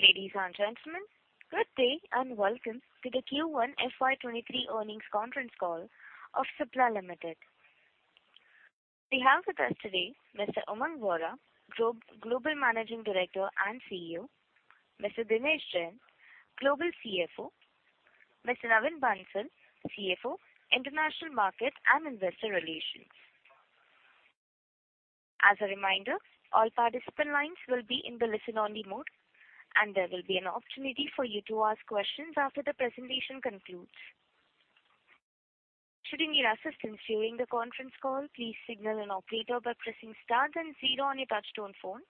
Ladies and gentlemen, good day and welcome to the Q1 FY23 earnings conference call of Cipla Limited. We have with us today Mr. Umang Vohra, Global Managing Director and CEO. Mr. Dinesh Jain, Global CFO. Mr. Naveen Bansal, CFO, International Market and Investor Relations. As a reminder, all participant lines will be in the listen-only mode, and there will be an opportunity for you to ask questions after the presentation concludes. Should you need assistance during the conference call, please signal an operator by pressing star then zero on your touchtone phone.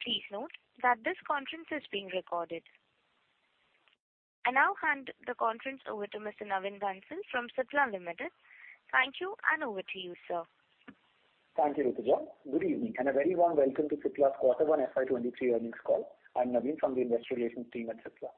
Please note that this conference is being recorded. I now hand the conference over to Mr. Naveen Bansal from Cipla Limited. Thank you, and over to you, sir. Thank you, Rituja. Good evening, and a very warm welcome to Cipla's quarter one FY23 earnings call. I'm Naveen from the investor relations team at Cipla.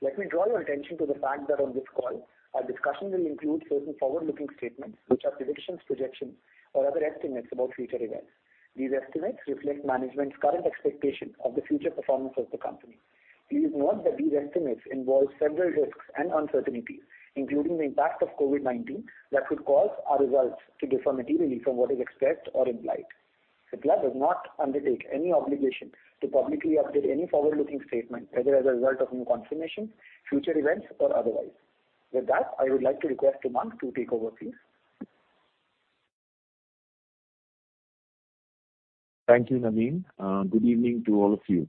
Let me draw your attention to the fact that on this call, our discussion will include certain forward-looking statements which are predictions, projections, or other estimates about future events. These estimates reflect management's current expectation of the future performance of the company. Please note that these estimates involve several risks and uncertainties, including the impact of COVID-19, that could cause our results to differ materially from what is expressed or implied. Cipla does not undertake any obligation to publicly update any forward-looking statement, whether as a result of new confirmation, future events or otherwise. With that, I would like to request Umang to take over, please. Thank you, Naveen. Good evening to all of you.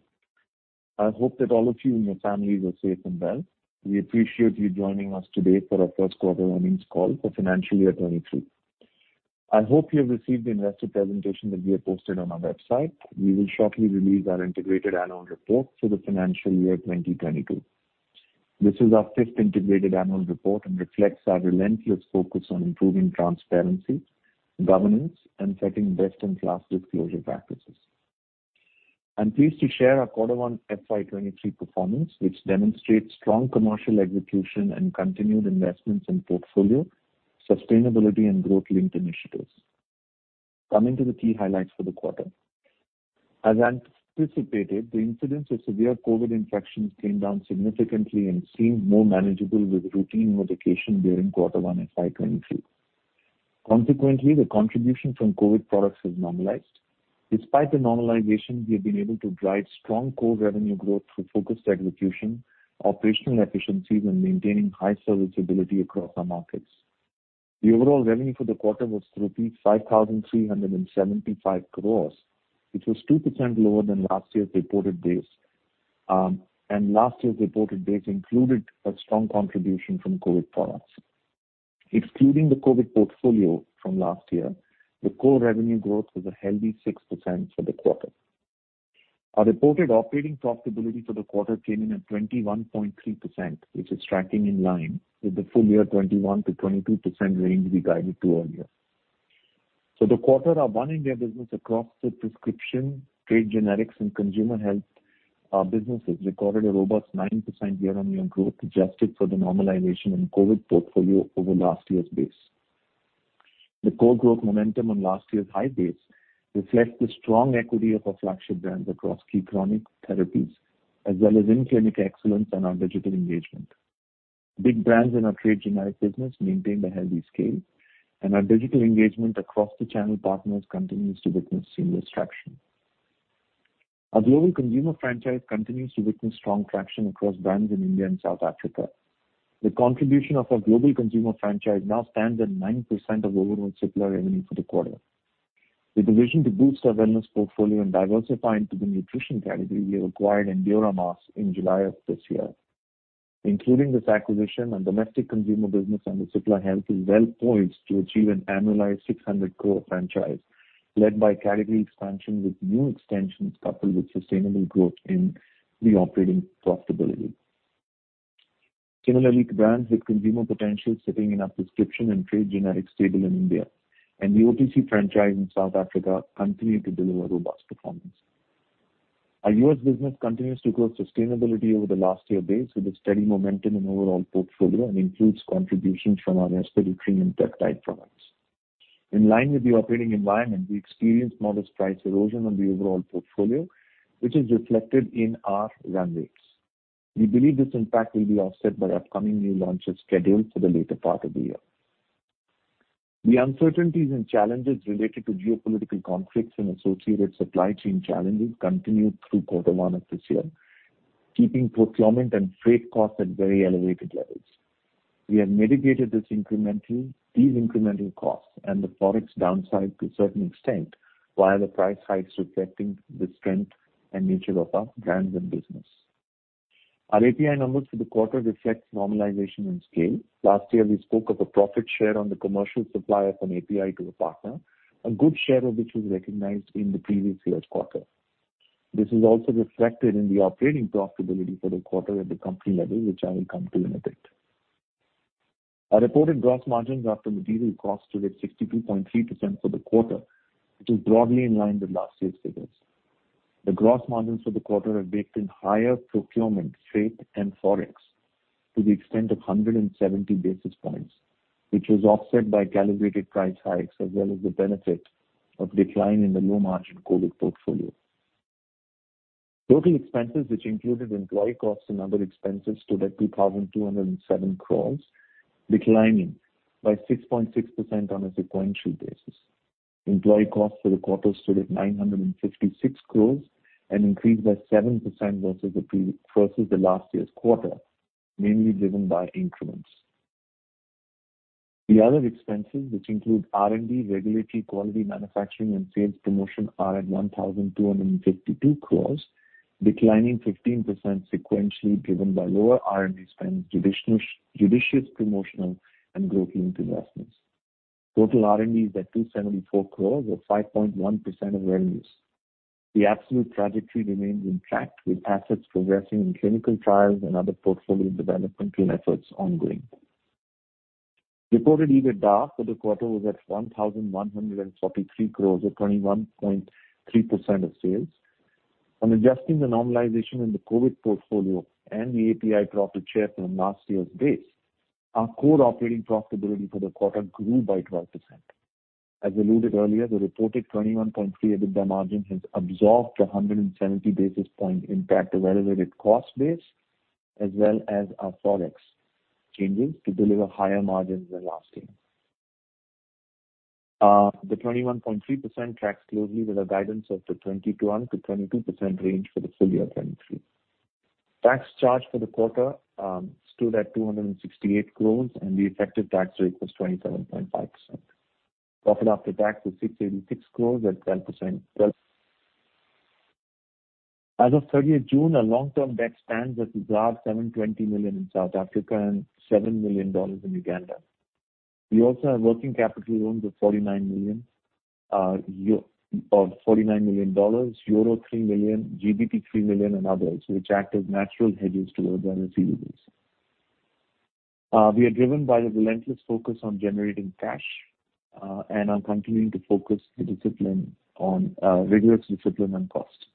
I hope that all of you and your families are safe and well. We appreciate you joining us today for our first quarter earnings call for financial year 2023. I hope you have received the investor presentation that we have posted on our website. We will shortly release our integrated annual report for the financial year 2022. This is our fifth integrated annual report and reflects our relentless focus on improving transparency, governance, and setting best-in-class disclosure practices. I'm pleased to share our quarter one FY 2023 performance, which demonstrates strong commercial execution and continued investments in portfolio, sustainability, and growth-linked initiatives. Coming to the key highlights for the quarter. As anticipated, the incidence of severe COVID infections came down significantly and seemed more manageable with routine medication during quarter one FY 2023. Consequently, the contribution from COVID products has normalized. Despite the normalization, we have been able to drive strong core revenue growth through focused execution, operational efficiencies, and maintaining high serviceability across our markets. The overall revenue for the quarter was rupees 5,375 crores, which was 2% lower than last year's reported base. Last year's reported base included a strong contribution from COVID products. Excluding the COVID portfolio from last year, the core revenue growth was a healthy 6% for the quarter. Our reported operating profitability for the quarter came in at 21.3%, which is tracking in line with the full year 21%-22% range we guided to earlier. For the quarter, our One-India business across the prescription, trade generics, and consumer health businesses recorded a robust 9% year-on-year growth, adjusted for the normalization in COVID portfolio over last year's base. The core growth momentum on last year's high base reflects the strong equity of our flagship brands across key chronic therapies, as well as in clinic excellence and our digital engagement. Big brands in our trade generic business maintained a healthy scale, and our digital engagement across the channel partners continues to witness seamless traction. Our global consumer franchise continues to witness strong traction across brands in India and South Africa. The contribution of our global consumer franchise now stands at 9% of overall Cipla revenue for the quarter. With a vision to boost our wellness portfolio and diversifying to the nutrition category, we acquired Endura Mass in July of this year. Including this acquisition, our domestic consumer business under Cipla Health is well-poised to achieve an annualized 600 crore franchise, led by category expansion with new extensions coupled with sustainable growth in the operating profitability. Similarly, brands with consumer potential sitting in our prescription and trade generics stable in India and the OTC franchise in South Africa continue to deliver robust performance. Our U.S. business continues to grow sustainably over the last year base with a steady momentum in overall portfolio and includes contributions from our respiratory and peptide products. In line with the operating environment, we experienced modest price erosion on the overall portfolio, which is reflected in our run rates. We believe this impact will be offset by our upcoming new launches scheduled for the later part of the year. The uncertainties and challenges related to geopolitical conflicts and associated supply chain challenges continued through quarter one of this year, keeping procurement and freight costs at very elevated levels. We have mitigated these incremental costs and the Forex downside to a certain extent via the price hikes reflecting the strength and nature of our brands and business. Our API numbers for the quarter reflects normalization and scale. Last year, we spoke of a profit share on the commercial supply of an API to a partner, a good share of which was recognized in the previous year's quarter. This is also reflected in the operating profitability for the quarter at the company level, which I will come to in a bit. Our reported gross margins after material costs stood at 62.3% for the quarter, which is broadly in line with last year's figures. The gross margins for the quarter have baked in higher procurement, freight, and Forex to the extent of 170 basis points, which was offset by calibrated price hikes as well as the benefit of decline in the low-margin COVID portfolio. Total expenses, which included employee costs and other expenses, stood at 2,207 crores, declining by 6.6% on a sequential basis. Employee costs for the quarter stood at 956 crores and increased by 7% versus the last year's quarter, mainly driven by increments. The other expenses, which include R&D, regulatory, quality, manufacturing, and sales promotion, are at 1,252 crores, declining 15% sequentially, driven by lower R&D spend, judicious promotional and growth investments. Total R&D is at 274 crores or 5.1% of revenues. The absolute trajectory remains on track with assets progressing in clinical trials and other portfolio development and efforts ongoing. Reported EBITDA for the quarter was at 1,143 crore or 21.3% of sales. On adjusting the normalization in the COVID portfolio and the API profit share from last year's base, our core operating profitability for the quarter grew by 12%. As alluded earlier, the reported 21.3% EBITDA margin has absorbed a 170 basis point impact of elevated cost base as well as our Forex changes to deliver higher margins than last year. The 21.3% tracks closely with our guidance of the 21%-22% range for the full year 2023. Tax charge for the quarter stood at 268 crore, and the effective tax rate was 27.5%. Profit after tax was 686 crores at 12%. As of thirtieth June, our long-term debt stands at 720 million in South Africa and $7 million in Uganda. We also have working capital loans of $49 million, euro 3 million, 3 million, and others, which act as natural hedges to our revenues. We are driven by the relentless focus on generating cash, and on continuing to focus the discipline on, rigorous discipline on cost.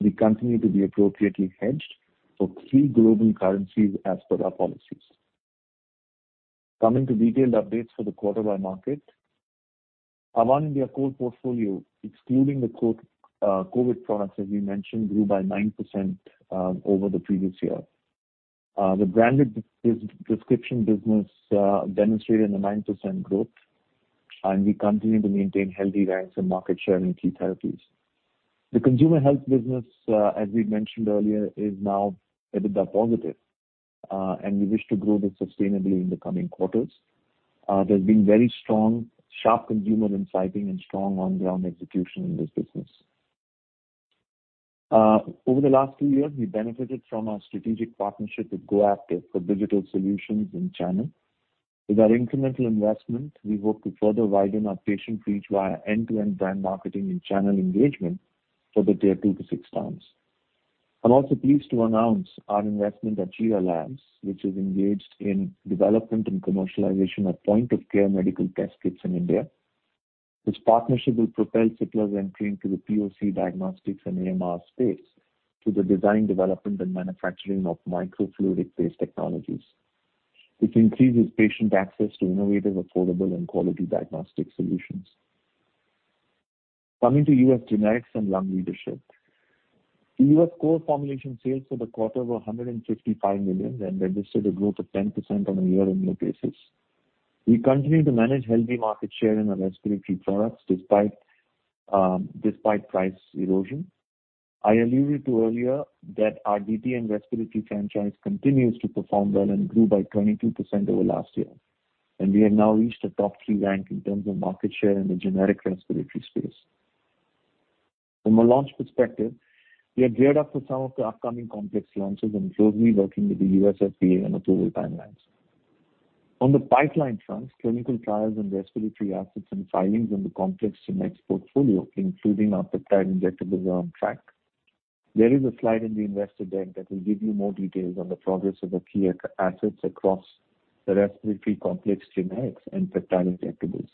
We continue to be appropriately hedged for three global currencies as per our policies. Coming to detailed updates for the quarter by market. Our India core portfolio, excluding the COVID products as we mentioned, grew by 9% over the previous year. The branded prescription business demonstrated a 9% growth, and we continue to maintain healthy ranks and market share in key therapies. The consumer health business, as we mentioned earlier, is now EBITDA positive, and we wish to grow this sustainably in the coming quarters. There's been very strong, sharp consumer insights and strong on-ground execution in this business. Over the last two years, we benefited from our strategic partnership with GoApptiv for digital solutions in channel. With our incremental investment, we hope to further widen our patient reach via end-to-end brand marketing and channel engagement for the tier 2 to 6 cities. I'm also pleased to announce our investment in Achira Labs, which is engaged in development and commercialization of point-of-care medical test kits in India. This partnership will propel Cipla's entry into the POC diagnostics and AMR space through the design, development, and manufacturing of microfluidic-based technologies, which increases patient access to innovative, affordable, and quality diagnostic solutions. Coming to U.S. generics and lung leadership. U.S. core formulation sales for the quarter were $155 million and registered a growth of 10% on a year-on-year basis. We continue to manage healthy market share in our respiratory products despite price erosion. I alluded to earlier that our DT and respiratory franchise continues to perform well and grew by 22% over last year, and we have now reached a top three rank in terms of market share in the generic respiratory space. From a launch perspective, we are geared up for some of the upcoming complex launches and closely working with the U.S. FDA on approval timelines. On the pipeline front, clinical trials and respiratory assets and filings on the complex generics portfolio, including our peptide injectables, are on track. There is a slide in the investor deck that will give you more details on the progress of the key assets across the respiratory complex generics and peptide injectables.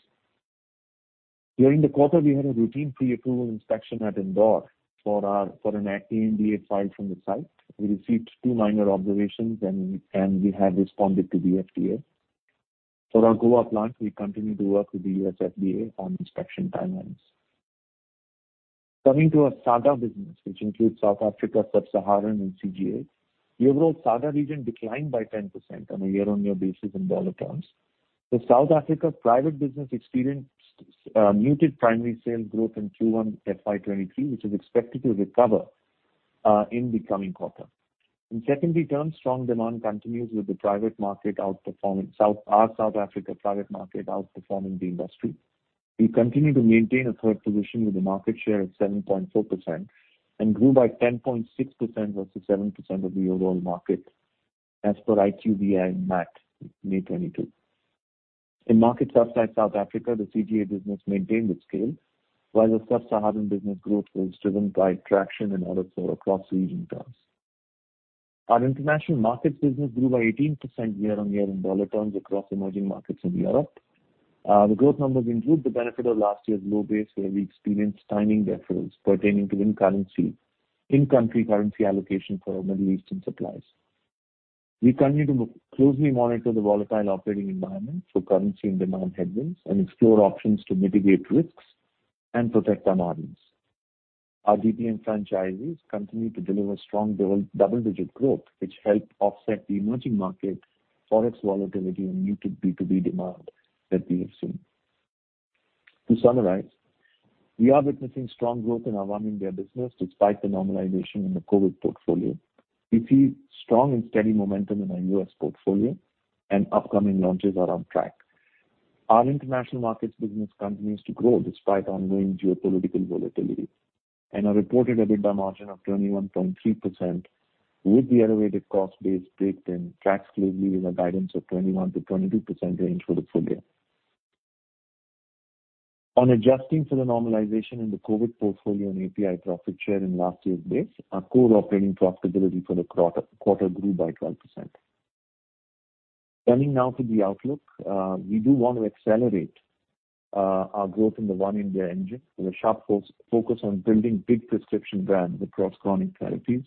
During the quarter, we had a routine pre-approval inspection at Indore for an ANDA file from the site. We received two minor observations, and we have responded to the U.S. FDA. For our Goa plant, we continue to work with the U.S. FDA on inspection timelines. Coming to our SAGA business, which includes South Africa, Sub-Saharan, and CGA. The overall SAGA region declined by 10% on a year-on-year basis in U.S. dollar terms. The South Africa private business experienced muted primary sales growth in Q1 FY23, which is expected to recover in the coming quarter. In secondary terms, strong demand continues with our South Africa private market outperforming the industry. We continue to maintain a third position with a market share of 7.4% and grew by 10.6% versus 7% of the overall market as per IQVIA and MAT May 2022. In markets outside South Africa, the CGA business maintained its scale, while the Sub-Saharan business growth was driven by traction and order flow across the region terms. Our international markets business grew by 18% year-on-year in dollar terms across emerging markets in Europe. The growth numbers include the benefit of last year's low base, where we experienced timing deferrals pertaining to inventory. In-country currency allocation for our Middle Eastern suppliers. We continue to closely monitor the volatile operating environment for currency and demand headwinds and explore options to mitigate risks and protect our margins. Our DTM franchises continue to deliver strong double-digit growth, which helped offset the emerging market Forex volatility and muted B2B demand that we have seen. To summarize, we are witnessing strong growth in our One-India business despite the normalization in the COVID portfolio. We see strong and steady momentum in our U.S. portfolio and upcoming launches are on track. Our international markets business continues to grow despite ongoing geopolitical volatility. Our reported EBITDA margin of 21.3% with the elevated cost base baked in tracks closely with our guidance of 21%-22% range for the full year. On adjusting for the normalization in the COVID portfolio and API profit share in last year's base, our core operating profitability for the quarter grew by 12%. Turning now to the outlook, we do want to accelerate our growth in the One-India engine with a sharp focus on building big prescription brands across chronic therapies,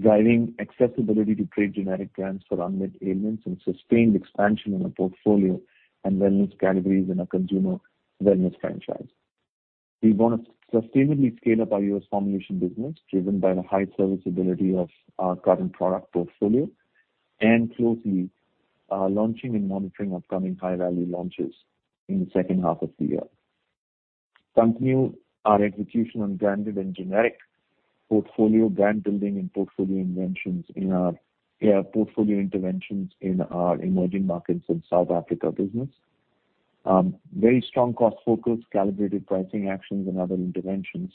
driving accessibility to trade generic brands for unmet ailments, and sustained expansion in our portfolio and wellness categories in our consumer wellness franchise. We want to sustainably scale up our U.S. formulation business, driven by the high serviceability of our current product portfolio, and closely launching and monitoring upcoming high-value launches in the second half of the year. Continue our execution on branded and generic portfolio brand building and portfolio interventions in our emerging markets and South Africa business. Very strong cost focus, calibrated pricing actions and other interventions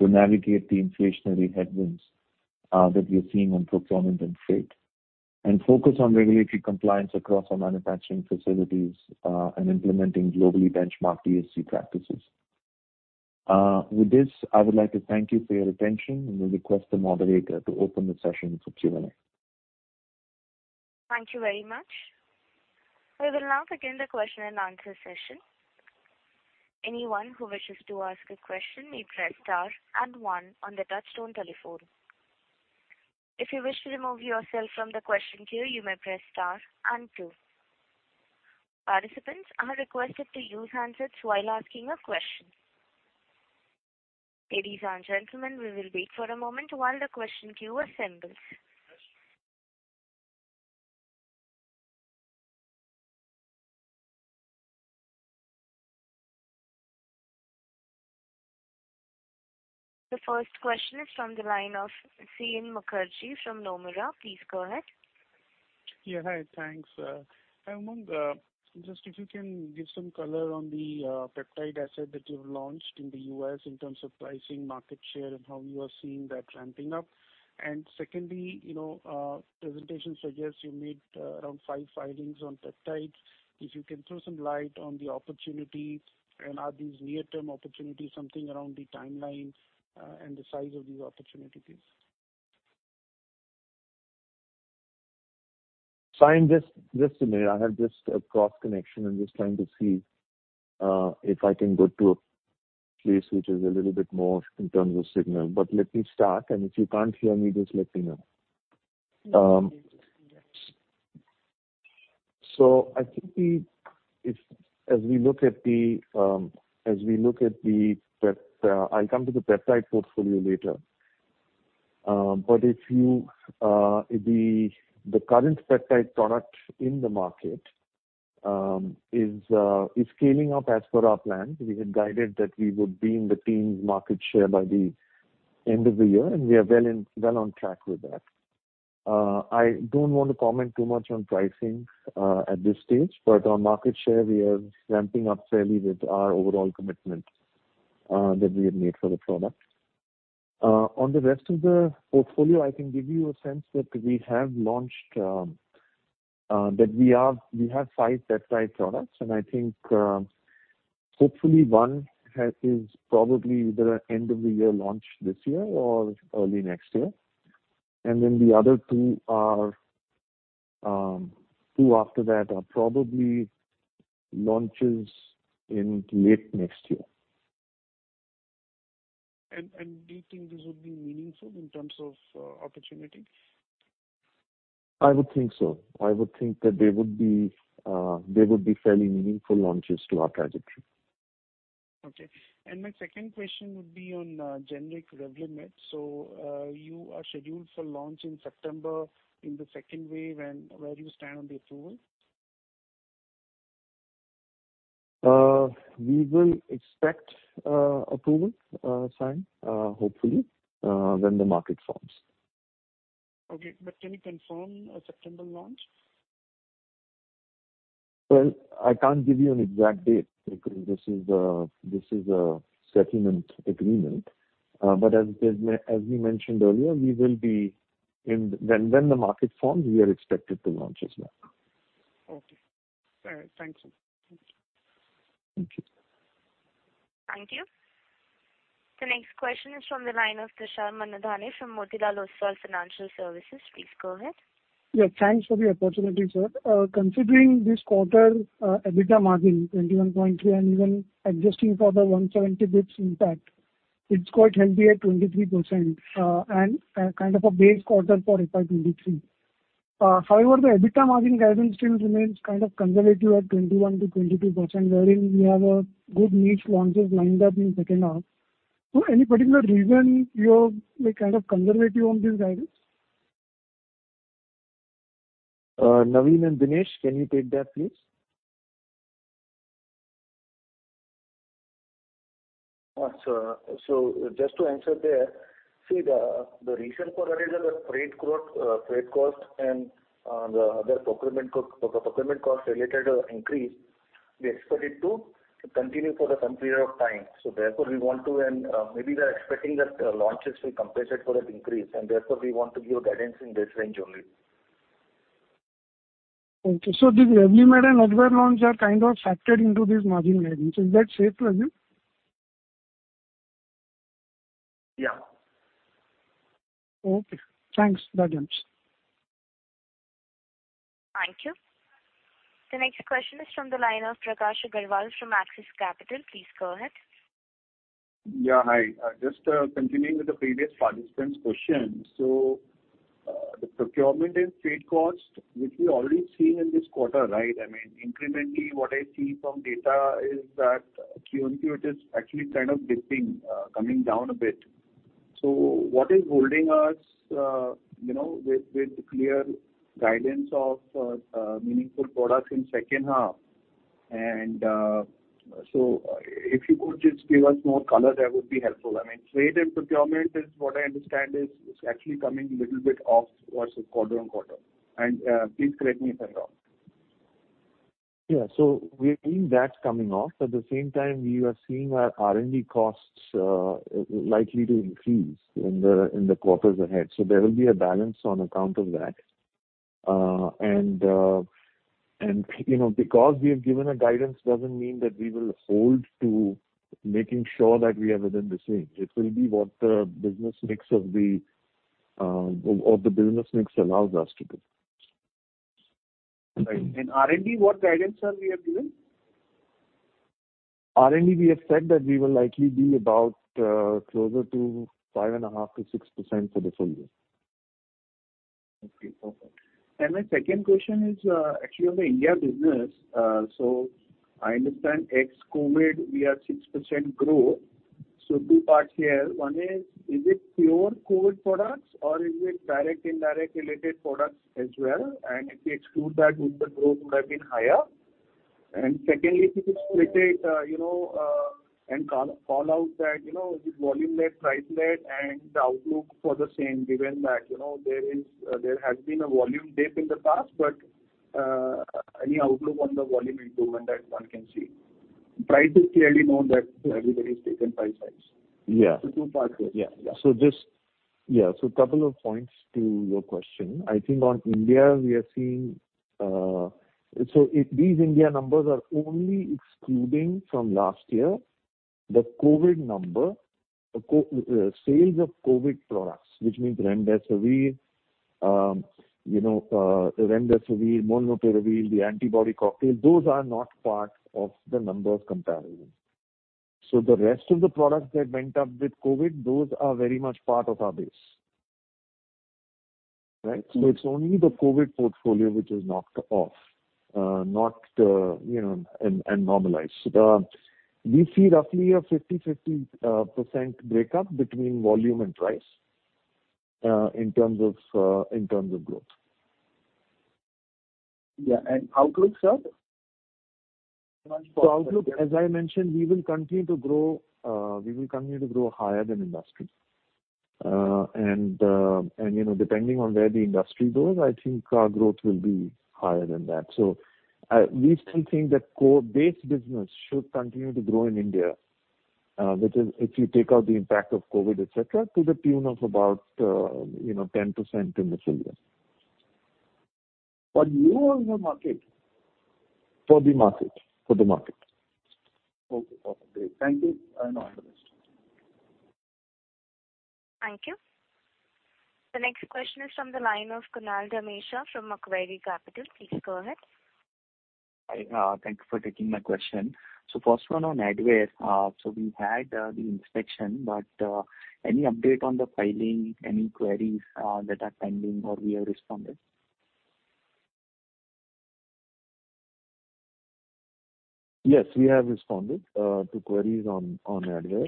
to navigate the inflationary headwinds that we are seeing on procurement and freight. Focus on regulatory compliance across our manufacturing facilities, and implementing globally benchmarked DSC practices. With this, I would like to thank you for your attention, and will request the moderator to open the session for Q&A. Thank you very much. We will now begin the question and answer session. Anyone who wishes to ask a question may press star and one on the touchtone telephone. If you wish to remove yourself from the question queue, you may press star and two. Participants are requested to use handsets while asking a question. Ladies and gentlemen, we will wait for a moment while the question queue assembles. The first question is from the line of Saion Mukherjee from Nomura. Please go ahead. Yeah, hi. Thanks. Umang, just if you can give some color on the peptide asset that you've launched in the U.S. in terms of pricing, market share, and how you are seeing that ramping up. Secondly, you know, presentation suggests you made around 5 filings on peptides. If you can throw some light on the opportunity and are these near-term opportunities something around the timeline, and the size of these opportunities? Sorry, in just a minute. I have just a cross connection. I'm just trying to see if I can go to a place which is a little bit more in terms of signal. Let me start, and if you can't hear me, just let me know. Yes. I'll come to the peptide portfolio later. But the current peptide product in the market is scaling up as per our plan. We had guided that we would be in the teens market share by the end of the year, and we are well on track with that. I don't want to comment too much on pricing at this stage, but on market share we are ramping up fairly with our overall commitment that we have made for the product. On the rest of the portfolio, I can give you a sense that we have launched that we have five peptide products and I think hopefully one is probably the end of the year launch this year or early next year. Then the other two are two after that are probably launches in late next year. Do you think this would be meaningful in terms of, opportunity? I would think so. I would think that they would be fairly meaningful launches to our trajectory. Okay. My second question would be on generic Revlimid. You are scheduled for launch in September in the second wave. Where do you stand on the approval? We will expect approval, hopefully, when the market forms. Okay. Can you confirm a September launch? Well, I can't give you an exact date because this is a settlement agreement. As we mentioned earlier, when the market forms, we are expected to launch as well. Okay. All right. Thank you. Thank you. The next question is from the line of Tushar Manudhane from Motilal Oswal Financial Services. Please go ahead. Yeah, thanks for the opportunity, sir. Considering this quarter, EBITDA margin 21.3, and even adjusting for the 170 basis points impact, it's quite healthy at 23%. Kind of a base quarter for FY23. However, the EBITDA margin guidance still remains kind of conservative at 21%-22%, wherein we have good niche launches lined up in second half. Any particular reason you're, like, kind of conservative on this guidance? Naveen and Dinesh, can you take that, please? Just to answer there, see the reason for that is the freight cost and the other procurement cost related increase. We expect it to continue for some period of time. Therefore, we want to and maybe we are expecting that launches will compensate for that increase and therefore we want to give guidance in this range only. Okay. These Revlimid and Advair launch are kind of factored into this margin guidance. Is that safe to assume? Yeah. Okay, thanks. That helps. Thank you. The next question is from the line of Prakash Agarwal from Axis Capital. Please go ahead. Yeah, hi. Just continuing with the previous participant's question. The procurement and freight cost, which we already seen in this quarter, right? I mean, incrementally, what I see from data is that QOQ it is actually kind of dipping, coming down a bit. What is holding us with clear guidance of meaningful products in second half. If you could just give us more color, that would be helpful. I mean, trade and procurement is what I understand is actually coming a little bit off versus quarter-on-quarter. Please correct me if I'm wrong. Yeah. We're seeing that coming off. At the same time, we are seeing our R&D costs likely to increase in the quarters ahead. There will be a balance on account of that. You know, because we have given a guidance doesn't mean that we will hold to making sure that we are within this range. It will be what the business mix allows us to do. Right. R&D, what guidance, sir, we have given? R&D, we have said that we will likely be about closer to 5.5%-6% for the full year. Okay, perfect. My second question is, actually on the India business. I understand ex-COVID, we have 6% growth. Two parts here. One is it pure COVID products or is it direct, indirect related products as well? If we exclude that, would the growth have been higher? Secondly, if you could split it, you know, and call out that, you know, the volume led, price led and the outlook for the same, given that, you know, there has been a volume dip in the past, but, any outlook on the volume improvement that one can see? Price is clearly known that everybody has taken price hikes. Yeah. The two parts there. Yeah. Yeah. Just yeah. A couple of points to your question. I think on India, we are seeing. These India numbers are only excluding from last year the COVID number, sales of COVID products, which means Remdesivir, you know, Molnupiravir, the antibody cocktail, those are not part of the numbers comparison. The rest of the products that went up with COVID, those are very much part of our base. Right? It's only the COVID portfolio which is knocked off, not, you know, and normalized. We see roughly a 50-50% breakup between volume and price, in terms of growth. Yeah. Outlook, sir? Outlook, as I mentioned, we will continue to grow higher than industry. You know, depending on where the industry goes, I think our growth will be higher than that. We still think that core base business should continue to grow in India, which is if you take out the impact of COVID, etc., to the tune of about, you know, 10% in the full year. You or the market? For the market. Okay. Great. Thank you and all the best. Thank you. The next question is from the line of Kunal Dhamesha from Macquarie Capital. Please go ahead. Hi. Thank you for taking my question. First one on Advair. We had the inspection, but any update on the filing, any queries that are pending or we have responded? Yes, we have responded to queries on Advair.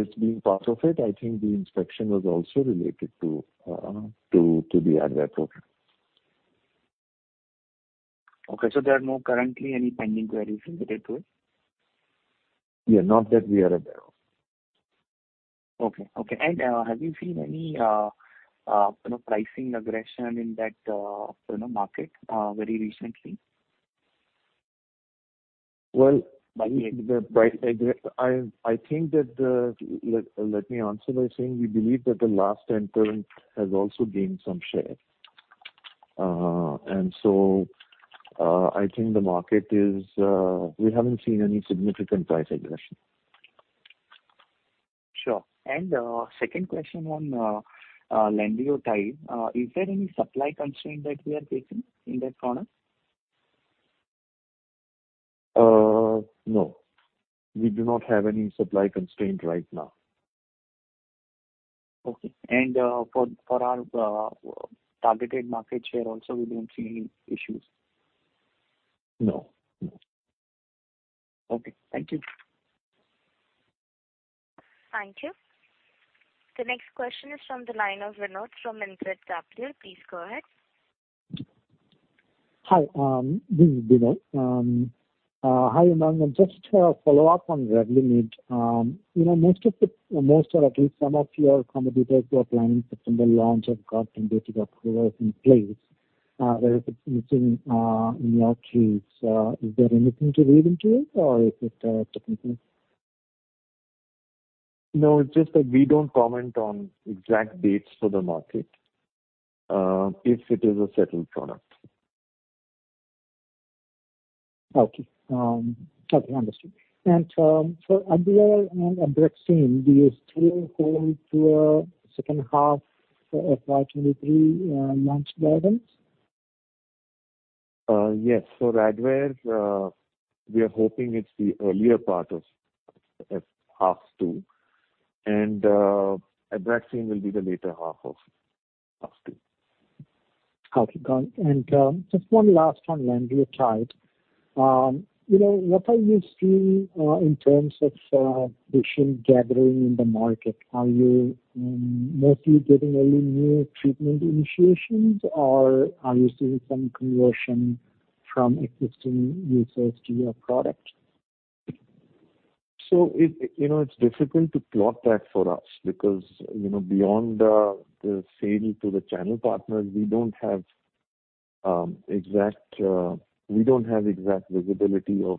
As being part of it, I think the inspection was also related to the Advair program. Okay. There are no currently any pending queries related to it? Yeah. Not that we are aware of. Okay. Have you seen any, you know, pricing aggression in that, you know, market, very recently? Well, let me answer by saying we believe that the last entrant has also gained some share. We haven't seen any significant price aggression. Sure. Second question on Lenalidomide. Is there any supply constraint that we are facing in that corner? No. We do not have any supply constraint right now. Okay. For our targeted market share also we don't see any issues? No. No. Okay. Thank you. Thank you. The next question is from the line of Vinod from Nuvama. Please go ahead. Hi, this is Vinod. Hi, Umang Vohra. Just a follow-up on Revlimid. You know, most or at least some of your competitors who are planning September launch have got indicative approvals in place. Whereas it's missing in your case. Is there anything to read into it or is it technical? No, it's just that we don't comment on exact dates for the market, if it is a settled product. Copy. Understood. For Advair and Abraxane, do you still hold to a second half FY23 launch guidance? Advair, we are hoping it's the earlier part of half two. Abraxane will be the later half of half two. Okay, got it. Just one last on Lenalidomide. You know, what are you seeing in terms of patient gathering in the market? Are you mostly getting only new treatment initiations or are you seeing some conversion from existing users to your product? It, you know, it's difficult to plot that for us because, you know, beyond the sale to the channel partners, we don't have exact visibility of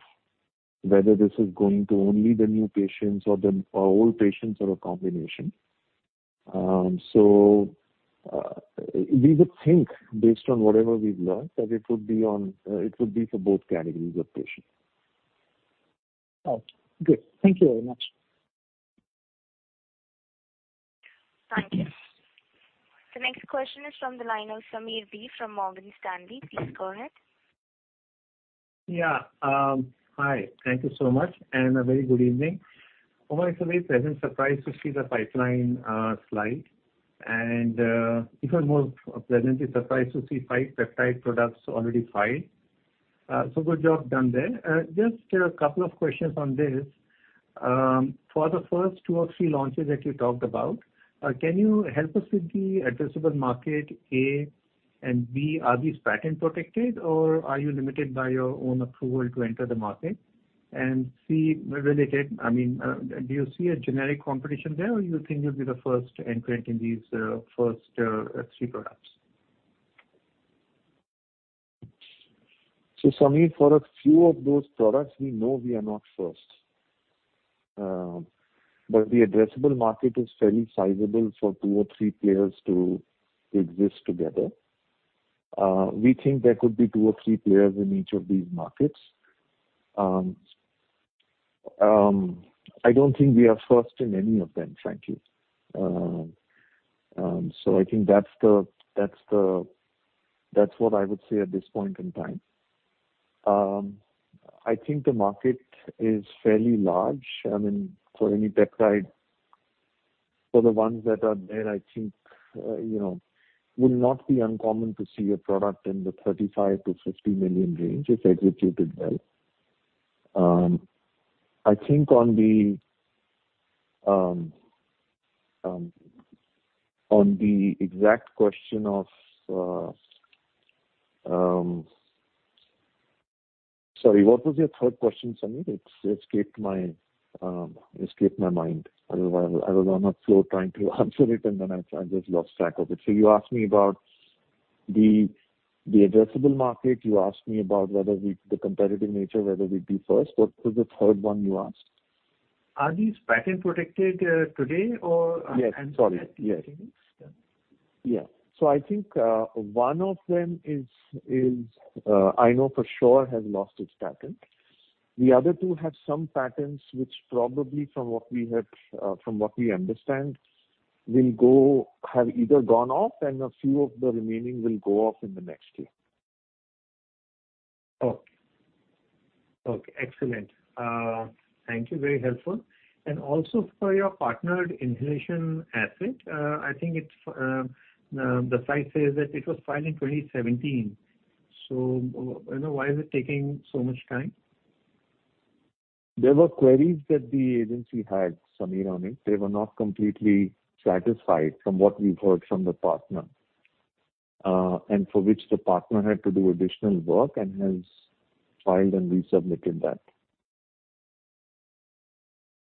whether this is going to only the new patients or old patients or a combination. We would think based on whatever we've learned, that it would be for both categories of patients. Okay, good. Thank you very much. Thank you. The next question is from the line of Sameer Baisiwala from Morgan Stanley. Please go ahead. Yeah. Hi. Thank you so much and a very good evening. Overall it's a very pleasant surprise to see the pipeline slide and even more pleasantly surprised to see 5 peptide products already filed. So good job done there. Just a couple of questions on this. For the first 2 or 3 launches that you talked about, can you help us with the addressable market, A? And B, are these patent protected or are you limited by your own approval to enter the market? And C, related, I mean, do you see a generic competition there or you think you'll be the first entrant in these first 3 products? Sameer, for a few of those products we know we are not first. The addressable market is fairly sizable for two or three players to exist together. We think there could be two or three players in each of these markets. I don't think we are first in any of them, frankly. I think that's what I would say at this point in time. I think the market is fairly large. I mean, for any peptide, for the ones that are there, I think, you know, would not be uncommon to see a product in the 35-50 million range if executed well. I think on the exact question of... Sorry, what was your third question, Sameer? It's escaped my mind. I was on a flow trying to answer it, and then I just lost track of it. You asked me about the addressable market. You asked me about the competitive nature, whether we'd be first. What was the third one you asked? Are these patent protected today or? Yes. Sorry. Yes. Okay. Yeah. I think one of them is, I know for sure, has lost its patent. The other two have some patents which probably, from what we understand, will have either gone off and a few of the remaining will go off in the next year. Okay. Excellent. Thank you. Very helpful. Also for your partnered inhalation asset, I think it's, the slide says that it was filed in 2017. You know, why is it taking so much time? There were queries that the agency had, Sameer, on it. They were not completely satisfied from what we've heard from the partner, and for which the partner had to do additional work and has filed and resubmitted that.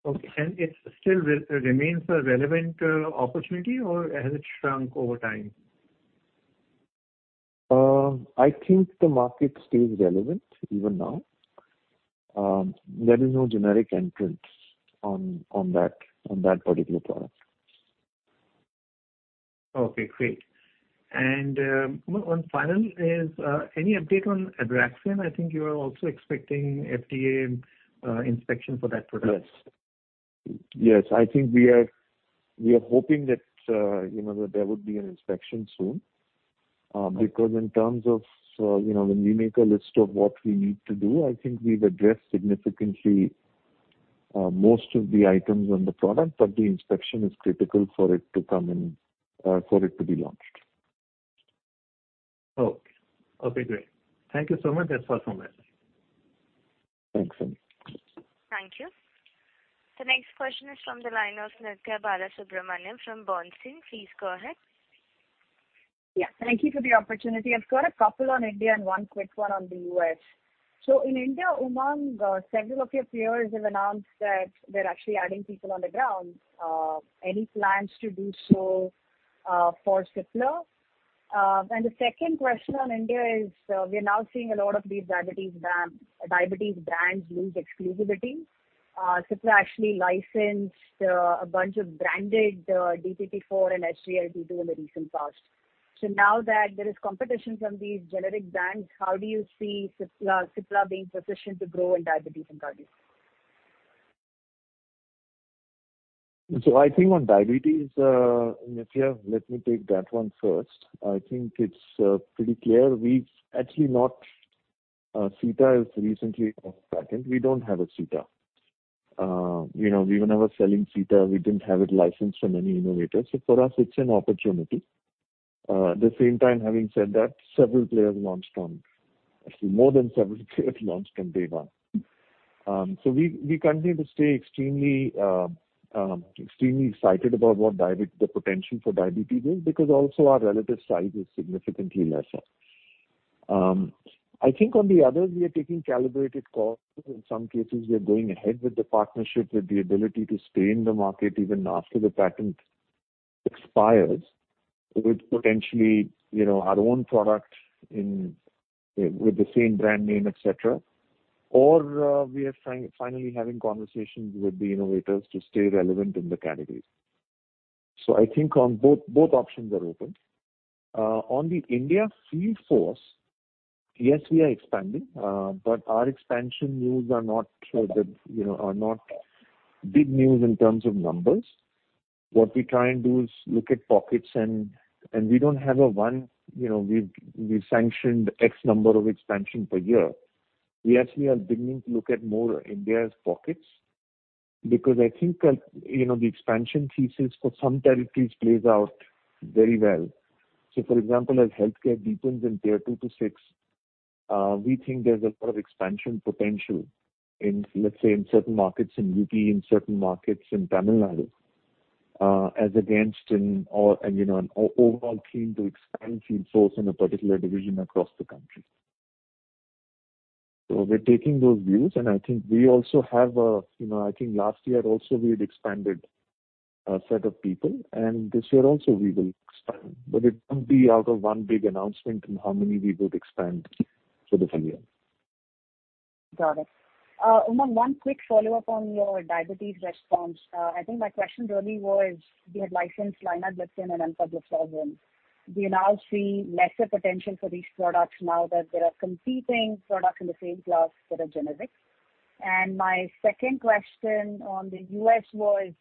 Okay. It still remains a relevant opportunity or has it shrunk over time? I think the market stays relevant even now. There is no generic entry on that particular product. Okay, great. One final is any update on Abraxane? I think you are also expecting FDA inspection for that product. Yes. I think we are hoping that, you know, that there would be an inspection soon. Because in terms of, you know, when we make a list of what we need to do, I think we've addressed significantly most of the items on the product, but the inspection is critical for it to come in, for it to be launched. Okay. Okay, great. Thank you so much. That's all from my side. Thanks, Sameer. Thank you. The next question is from the line of Nithya Balasubramanian from Bernstein. Please go ahead. Yeah. Thank you for the opportunity. I've got a couple on India and one quick one on the U.S. In India, Umang, several of your peers have announced that they're actually adding people on the ground. Any plans to do so, for Cipla? The second question on India is, we are now seeing a lot of these diabetes brands lose exclusivity. Cipla actually licensed a bunch of branded DPP-4 and SGLT-2 in the recent past. Now that there is competition from these generic brands, how do you see Cipla being positioned to grow in diabetes and cardio? I think on diabetes, Nithya, let me take that one first. I think it's pretty clear. We've actually not. Sitagliptin has recently gone patent. We don't have a Sitagliptin. You know, we were never selling Sitagliptin. We didn't have it licensed from any innovator, so for us it's an opportunity. At the same time, having said that, several players launched on. Actually more than several players launched on day one. We continue to stay extremely excited about the potential for diabetes because also our relative size is significantly lesser. I think on the others, we are taking calibrated calls. In some cases, we are going ahead with the partnership, with the ability to stay in the market even after the patent expires, with potentially our own product in, with the same brand name, et cetera. Or, we are finally having conversations with the innovators to stay relevant in the categories. I think on both options are open. On the Indian field force, yes, we are expanding, but our expansion news are not big news in terms of numbers. What we try and do is look at pockets and we don't have a one, we've sanctioned X number of expansion per year. We actually are beginning to look at more Indian pockets because I think the expansion thesis for some territories plays out very well. For example, as healthcare deepens in tier 2-6, we think there's a lot of expansion potential in, let's say, in certain markets in UP, in certain markets in Tamil Nadu, as against in all, and, you know, an overall team to expand field force in a particular division across the country. We're taking those views, and I think we also have a, you know, I think last year also we had expanded a set of people, and this year also we will expand, but it won't be out of one big announcement in how many we would expand for the full year. Got it. Umang, one quick follow-up on your diabetes response. I think my question really was, you had licensed Linagliptin and Empagliflozin. Do you now see lesser potential for these products now that there are competing products in the same class that are generic? My second question on the U.S. was,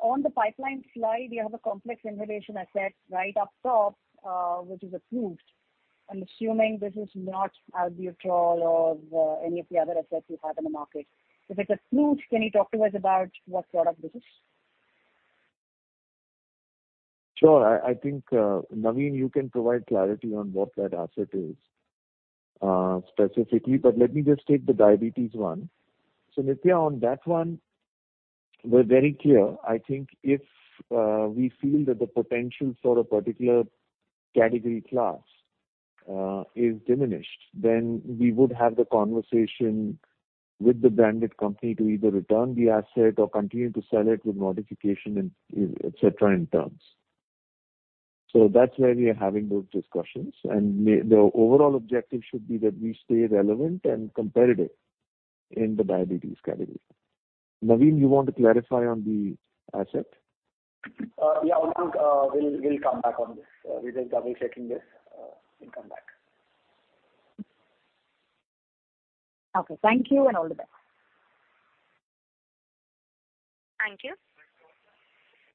on the pipeline slide, you have a complex inhalation asset right up top, which is approved. I'm assuming this is not Albuterol or any of the other assets you have in the market. If it's approved, can you talk to us about what product this is? Sure. I think, Naveen, you can provide clarity on what that asset is, specifically, but let me just take the diabetes one. Nithya, on that one, we're very clear. I think if we feel that the potential for a particular category class is diminished, then we would have the conversation with the branded company to either return the asset or continue to sell it with modification and, you know, et cetera, in terms. That's where we are having those discussions. The overall objective should be that we stay relevant and competitive in the diabetes category. Naveen, you want to clarify on the asset? Yeah. We'll come back on this. We're just double checking this. We'll come back. Okay. Thank you, and all the best. Thank you.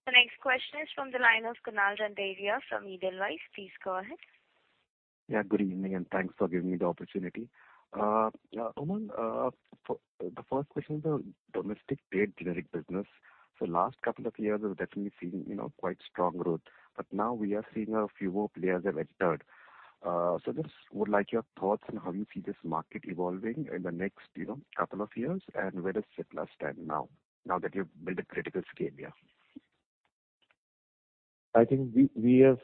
The next question is from the line of Kunal Randeria from Edelweiss. Please go ahead. Yeah, good evening, and thanks for giving me the opportunity. The first question is on domestic branded generic business. Last couple of years have definitely seen, you know, quite strong growth, but now we are seeing a few more players have entered. Just would like your thoughts on how you see this market evolving in the next, you know, couple of years and where does Cipla stand now that you've built a critical scale here? I think we are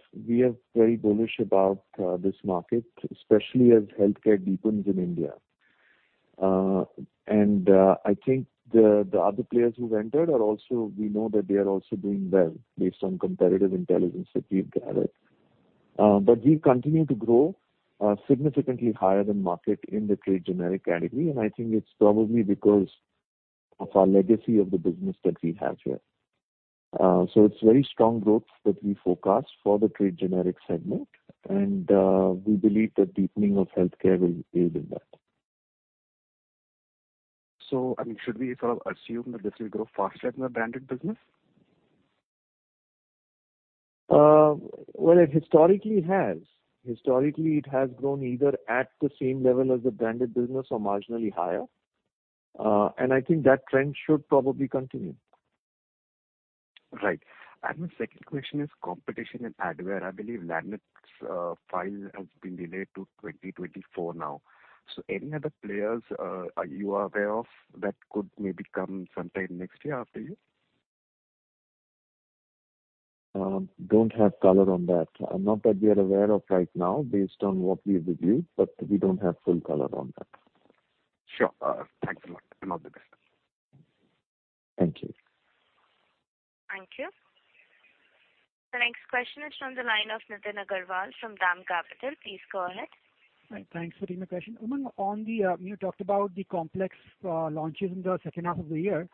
very bullish about this market, especially as healthcare deepens in India. I think the other players who've entered are also, we know that they are also doing well based on competitive intelligence that we've gathered. We continue to grow significantly higher than market in the trade generic category, and I think it's probably because of our legacy of the business that we have here. It's very strong growth that we forecast for the trade generic segment. We believe that deepening of healthcare will aid in that. I mean, should we sort of assume that this will grow faster than the branded business? Well, it historically has. Historically, it has grown either at the same level as the branded business or marginally higher. I think that trend should probably continue. Right. My second question is competition in Advair. I believe Lupin file has been delayed to 2024 now. Any other players, are you aware of that could maybe come sometime next year after you? Don't have color on that. Not that we are aware of right now based on what we've reviewed, but we don't have full color on that. Sure. Thanks a lot. Have a good day. Thank you. Thank you. The next question is from the line of Nitin Agarwal from DAM Capital. Please go ahead. Hi. Thanks for taking my question. On the, you talked about the complex launches in the second half of the year.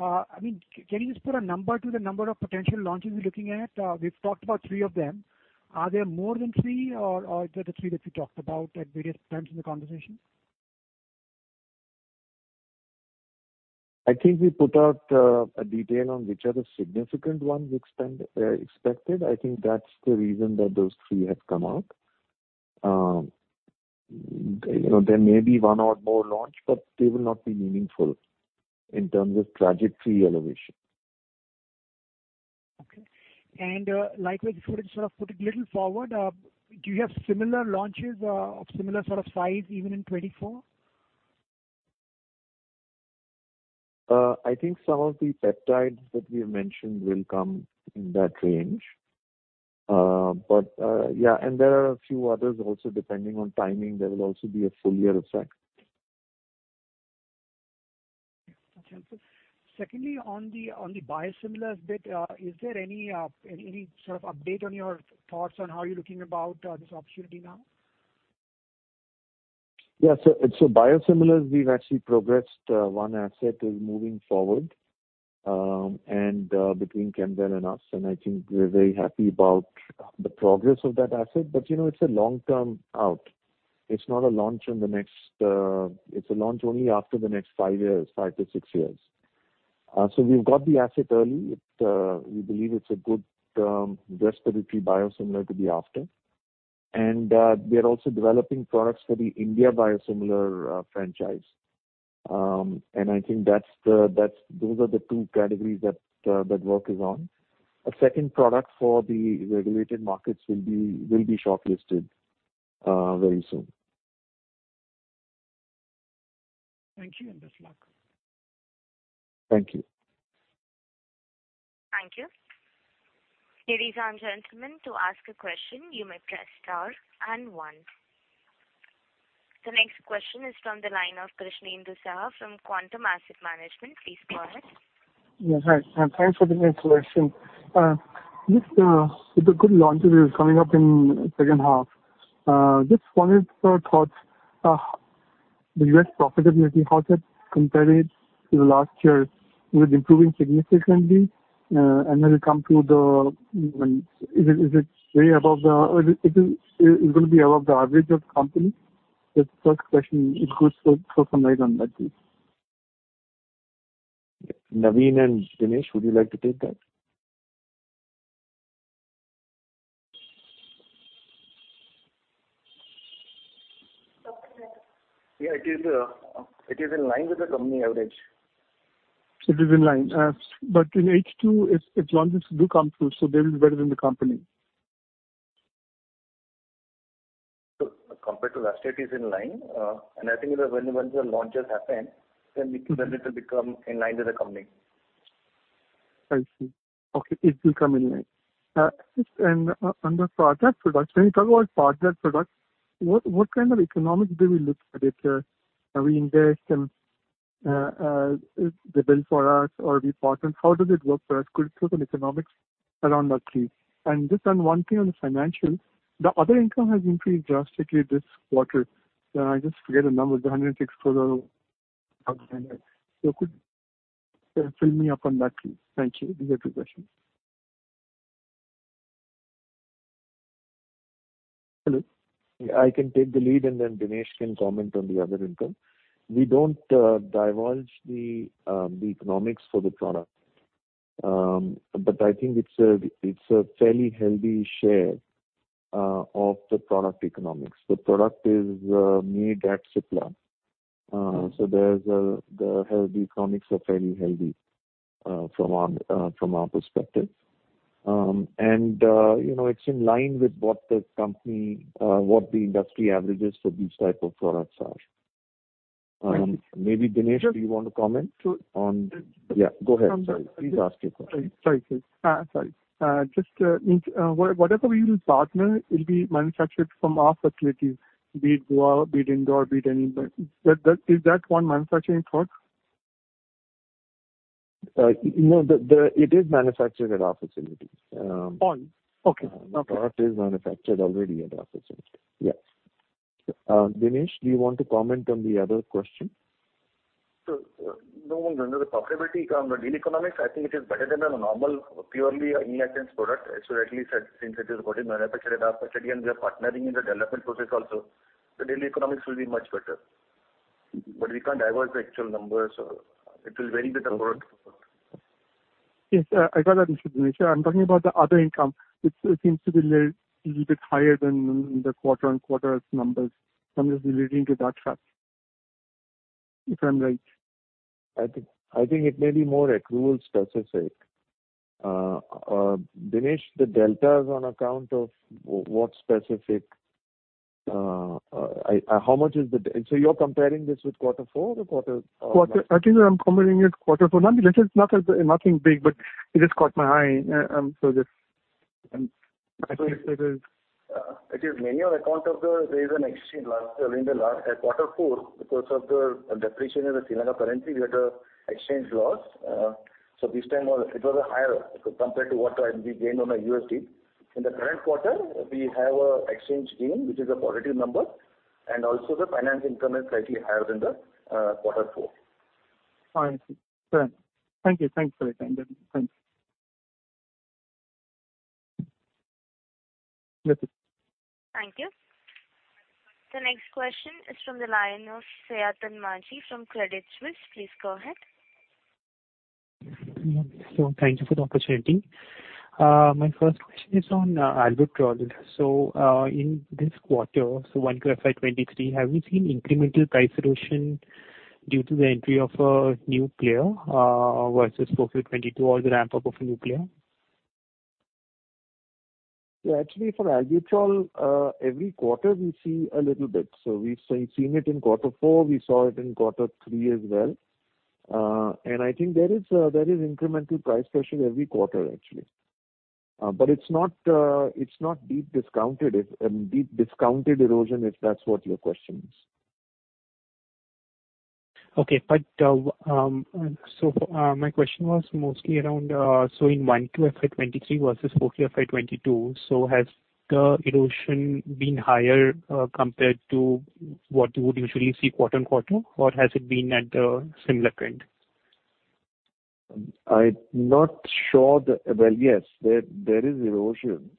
I mean, can you just put a number to the number of potential launches you're looking at? We've talked about three of them. Are there more than three or the three that we talked about at various times in the conversation? I think we put out a detail on which are the significant ones expected. I think that's the reason that those three have come out. You know, there may be one or more launch, but they will not be meaningful in terms of trajectory elevation. Likewise, if we can sort of put it a little forward, do you have similar launches of similar sort of size even in 2024? I think some of the peptides that we have mentioned will come in that range. Yeah, and there are a few others also, depending on timing, there will also be a full year effect. Okay. Secondly, on the biosimilars bit, is there any sort of update on your thoughts on how you're looking about this opportunity now? Biosimilars we've actually progressed, one asset is moving forward, and between Kemwell and us, and I think we're very happy about the progress of that asset. You know, it's a long-term out. It's not a launch in the next; it's a launch only after the next 5 years, 5-6 years. We've got the asset early. We believe it's a good respiratory biosimilar to be after. We are also developing products for the India biosimilar franchise. I think those are the two categories that work is on. A second product for the regulated markets will be shortlisted very soon. Thank you. Best luck. Thank you. Thank you. Ladies and gentlemen, to ask a question, you may press star and one. The next question is from the line of Krishnendu Saha from Quantum Asset Management. Please go ahead. Yeah, hi. Thanks for the great question. Just, with the good launches coming up in second half, just wanted your thoughts, the U.S. profitability, how's that compared to last year? Is it improving significantly? Is it way above the? Is it gonna be above the average of the company? Just first question, if you could throw some light on that, please. Naveen and Dinesh, would you like to take that? Yeah. It is in line with the company average. It is in line. In H2, its launches do come through, so they will be better than the company. Compared to last year, it is in line. I think when the launches happen, then it'll become in line with the company. I see. Okay, it will come in line. The partner products. When you talk about partner products, what kind of economics do we look at it? We invest and they build for us or we partner. How does it work for us? Could you throw some economics around that, please? Just on one thing on the financials, the other income has increased drastically this quarter. I just forget the numbers, the 106 crores or. Could you fill me up on that, please? Thank you. These are two questions. Hello. I can take the lead, and then Dinesh can comment on the other income. We don't divulge the economics for the product. I think it's a fairly healthy share of the product economics. The product is made at Cipla. The healthy economics are fairly healthy from our perspective. You know, it's in line with what the industry averages for these type of products are. Thank you. Maybe Dinesh, do you want to comment on? So- Yeah, go ahead. Sorry. Please ask your question. Sorry. Just means whatever we will partner, it'll be manufactured from our facilities, be it Goa, be it Indore, be it anywhere. That. Is that one manufacturing thought? No, it is manufactured at our facility. On. Okay. The product is manufactured already at our facility. Yes. Dinesh, do you want to comment on the other question? No, the profitability or deal economics, I think it is better than a normal purely in-license product. At least since it is already manufactured at our facility and we are partnering in the development process also, the deal economics will be much better. We can't divulge the actual numbers. It will vary with the product. Yes, I got that, Mr. Dinesh. I'm talking about the other income, which seems to be a little bit higher than the quarter-on-quarter numbers. I'm just relating to that chart, if I'm right. I think it may be more accruals specific. Dinesh, the delta is on account of what specific? How much is the? You're comparing this with quarter four or quarter? I think I'm comparing it quarter four. Nothing, this is not anything big, but it just caught my eye. It is mainly on account of the exchange loss during the last quarter four because of the depreciation in the Sri Lankan currency. We had an exchange loss. So this time it was higher compared to what we gained on our USD. In the current quarter, we have an exchange gain, which is a positive number, and also the finance income is slightly higher than the quarter four. Fine. Fair. Thank you. Thanks for your time then. Thanks. That's it. Thank you. The next question is from the line of Sayantan Maji from Credit Suisse. Please go ahead. Thank you for the opportunity. My first question is on Albuterol. In this quarter, Q1 FY23, have you seen incremental price erosion due to the entry of a new player versus FY22 or the ramp-up of a new player? Yeah, actually, for Albuterol, every quarter we see a little bit. We've seen it in quarter four, we saw it in quarter three as well. I think there is incremental price pressure every quarter, actually. It's not deep discounted erosion, if that's what your question is. My question was mostly around in Q1 FY23 versus Q4 FY22. Has the erosion been higher compared to what you would usually see quarter-over-quarter, or has it been at a similar trend? I'm not sure. Well, yes, there is erosion.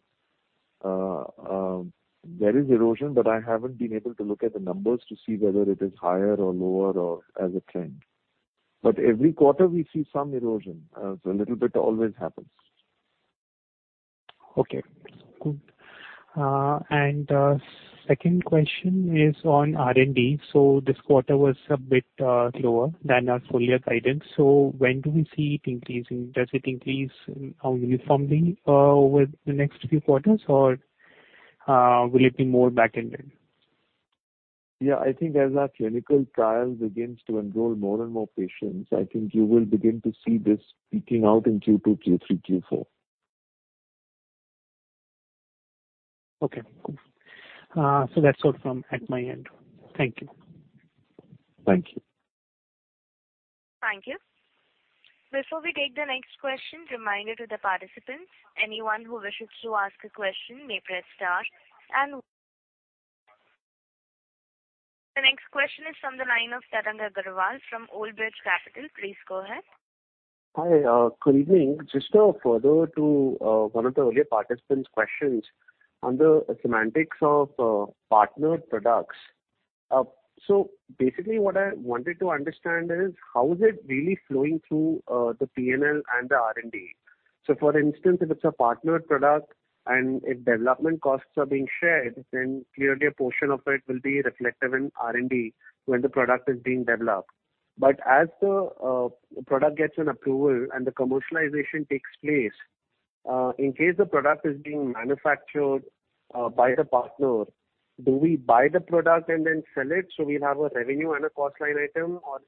There is erosion, but I haven't been able to look at the numbers to see whether it is higher or lower or as a trend. Every quarter we see some erosion. A little bit always happens. Okay, cool. Second question is on R&D. This quarter was a bit lower than our full-year guidance. When do we see it increasing? Does it increase uniformly with the next few quarters, or will it be more back-ended? Yeah. I think as our clinical trial begins to enroll more and more patients, I think you will begin to see this peaking out in Q2, Q3, Q4. Okay, cool. That's all from my end. Thank you. Thank you. Thank you. Before we take the next question, a reminder to the participants, anyone who wishes to ask a question may press star one. The next question is from the line of Tarang Agrawal from Old Bridge Capital. Please go ahead. Hi, good evening. Just a further to one of the earlier participant's questions on the semantics of partnered products. Basically what I wanted to understand is how is it really flowing through the P&L and the R&D? For instance, if it's a partnered product and if development costs are being shared, then clearly a portion of it will be reflective in R&D when the product is being developed. As the product gets an approval and the commercialization takes place, in case the product is being manufactured by the partner, do we buy the product and then sell it so we have a revenue and a cost line item, or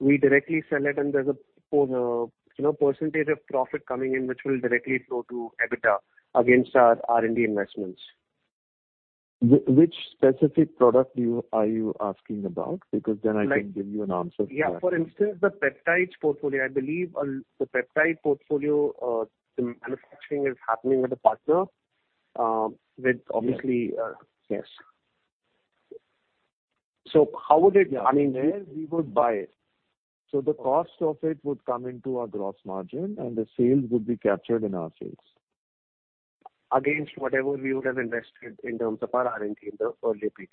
we directly sell it and there's a you know percentage of profit coming in which will directly flow to EBITDA against our R&D investments? Which specific product are you asking about? Because then I can give you an answer for that. Yeah. For instance, the peptides portfolio. I believe on the peptide portfolio, the manufacturing is happening with a partner, with obviously, Yes. How would it? I mean Yeah. We would buy it. The cost of it would come into our gross margin, and the sales would be captured in our sales. Against whatever we would have invested in terms of our R&D in the earlier period,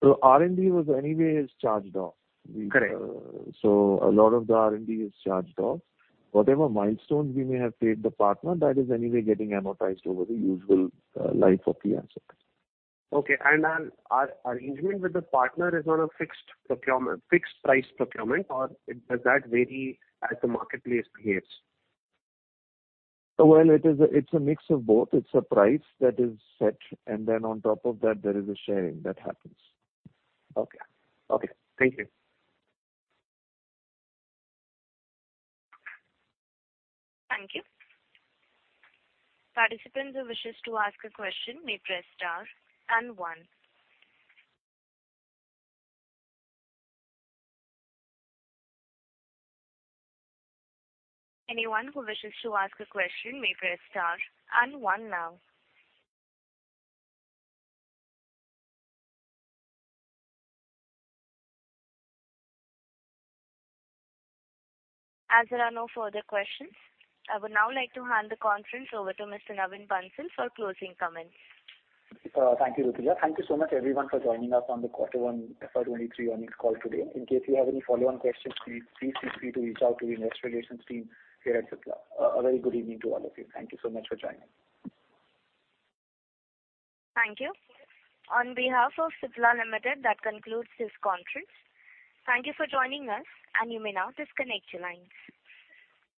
right? R&D was anyway is charged off. Correct. A lot of the R&D is charged off. Whatever milestones we may have paid the partner, that is anyway getting amortized over the usual life of the asset. Okay. Our arrangement with the partner is on a fixed price procurement or does that vary as the marketplace behaves? Well, it is a, it's a mix of both. It's a price that is set and then on top of that there is a sharing that happens. Okay. Thank you. Thank you. Participants who wishes to ask a question may press star and one. Anyone who wishes to ask a question may press star and one now. As there are no further questions, I would now like to hand the conference over to Mr. Naveen Bansal for closing comments. Thank you, Rituja. Thank you so much everyone for joining us on the Q1 FY23 earnings call today. In case you have any follow-on questions, please feel free to reach out to the investor relations team here at Cipla. Very good evening to all of you. Thank you so much for joining. Thank you. On behalf of Cipla Limited, that concludes this conference. Thank you for joining us, and you may now disconnect your lines.